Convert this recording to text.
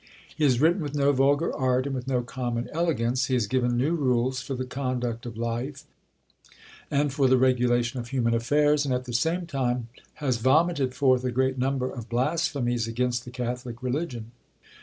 He has written with no vulgar art, and with no common elegance. He has given new rules for the conduct of life, and for the regulation of human affairs; and at the same time has vomited forth a great number of blasphemies against the Catholic religion.